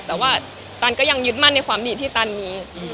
แต่ว่าตันก็ยังยึดมั่นในความดีที่ตันมี